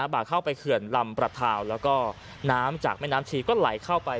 บากเข้าไปเขื่อนลำประทาวแล้วก็น้ำจากแม่น้ำชีก็ไหลเข้าไป